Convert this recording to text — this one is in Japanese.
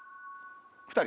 ２人。